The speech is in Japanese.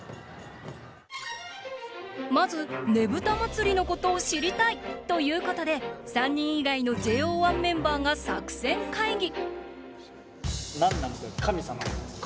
まずねぶた祭のことを知りたいということで３人以外のＪＯ１メンバーが作戦会議。